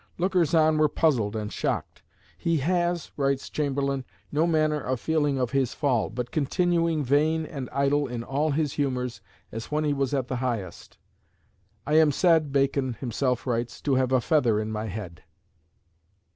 Lookers on were puzzled and shocked. "He has," writes Chamberlain, "no manner of feeling of his fall, but continuing vain and idle in all his humours as when he was at the highest." "I am said," Bacon himself writes, "to have a feather in my head."